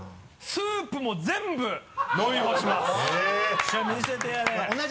スープも全部飲み干しますえっ。